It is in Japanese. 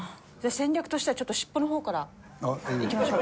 戦略としてはちょっと尻尾の方からいきましょうか。